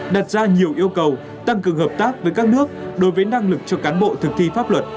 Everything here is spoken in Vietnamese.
đặt ra nhiều yêu cầu tăng cường hợp tác với các nước đối với năng lực cho cán bộ thực thi pháp luật